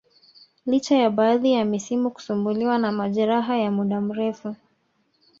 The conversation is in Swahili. licha ya baadhi ya misimu kusumbuliwa na majeraha ya muda mrefu